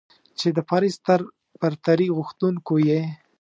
چې د پارس تر برتري غوښتونکو يې.